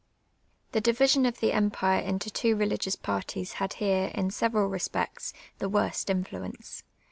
The di\'ision of the empire into two religious parties had here, in several respects, the worst influence.